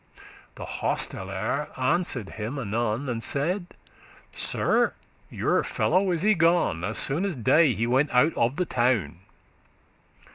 The hostelere answered him anon, And saide, 'Sir, your fellow is y gone, As soon as day he went out of the town.